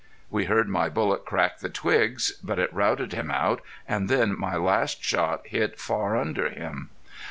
We heard my bullet crack the twigs. But it routed him out, and then my last shot hit far under him.